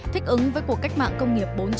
thích ứng với cuộc cách mạng công nghiệp bốn